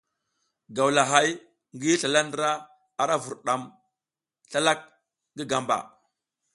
Gawlahay ngi zlala ndra, ara vurdam slalak ngi gamba.